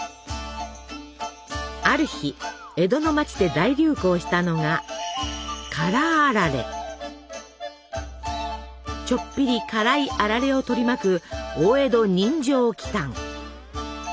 ある日江戸の町で大流行したのがちょっぴり辛いあられを取り巻く大江戸人情奇たん。